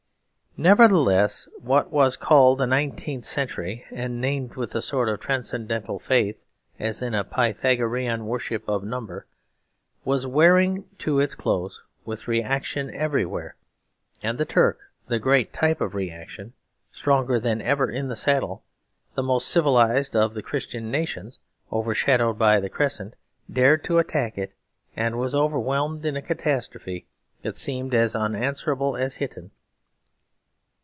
Nevertheless what was called the nineteenth century, and named with a sort of transcendental faith (as in a Pythagorean worship of number), was wearing to its close with reaction everywhere, and the Turk, the great type of reaction, stronger than ever in the saddle. The most civilised of the Christian nations overshadowed by the Crescent dared to attack it and was overwhelmed in a catastrophe that seemed as unanswerable as Hittin.